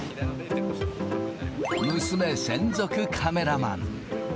娘専属カメラマン。